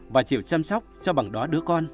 và chịu chăm sóc cho bằng đó đứa con